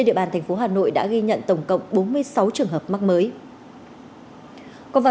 còn vào trường hợp mắc mới hà nội đã ghi nhận tổng cộng bốn mươi sáu trường hợp mắc mới